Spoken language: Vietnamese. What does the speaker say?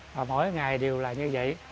và mỗi ngày đều là như vậy